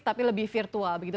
tapi lebih virtual begitu